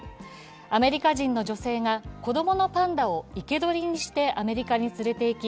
アメリカ人の女性が子供のパンダを生け捕りにしてアメリカに連れていき